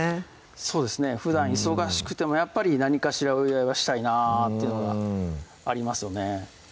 そうですねふだん忙しくてもやっぱり何かしらお祝いはしたいなっていうのがありますよね